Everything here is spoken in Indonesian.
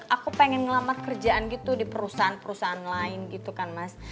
aku pengen ngelamat kerjaan gitu di perusahaan perusahaan lain gitu kan mas